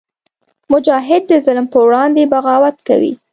مجاهد د ظلم پر وړاندې بغاوت کوي.